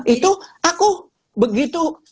itu aku begitu